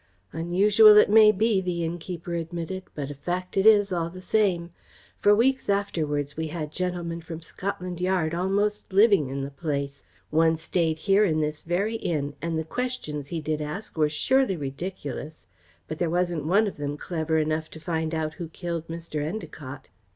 "Unusual it may be," the innkeeper admitted, "but a fact it is, all the same. For weeks afterwards we had gentlemen from Scotland Yard almost living in the place. One stayed here in this very inn and the questions he did ask were surely ridiculous. But there wasn't one of them clever enough to find out who killed Mr. Endacott."